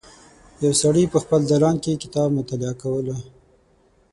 یو سړی په خپل دالان کې کتاب مطالعه کوله.